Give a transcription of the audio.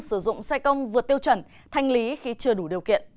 sử dụng xe công vượt tiêu chuẩn thanh lý khi chưa đủ điều kiện